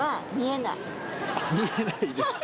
見えないですか。